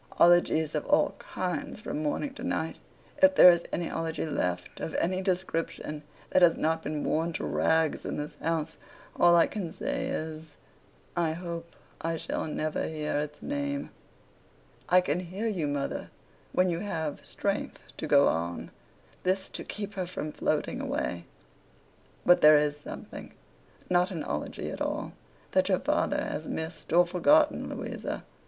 Ologies of all kinds from morning to night. If there is any Ology left, of any description, that has not been worn to rags in this house, all I can say is, I hope I shall never hear its name.' 'I can hear you, mother, when you have strength to go on.' This, to keep her from floating away. 'But there is something—not an Ology at all—that your father has missed, or forgotten, Louisa.